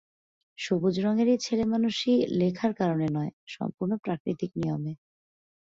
সবুজ রঙের এই ছেলেমানুষি লেখার কারণে নয়, সম্পূর্ণ প্রাকৃতিক নিয়মে।